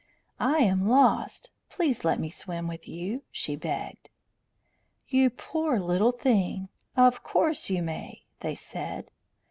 "I am lost; please let me swim with you," she begged. "You poor little thing! Of course you may," they said.